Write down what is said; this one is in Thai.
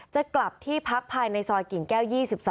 จะกลับที่พักภายในซอยกิ่งแก้ว๒๒